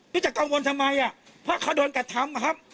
จะกังวลทำไมอ่ะเพราะเขาโดนกระทำอะครับ